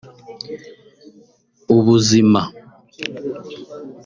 Ubuzima